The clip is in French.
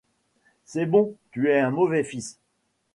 C’est bon, tu es un mauvais fils…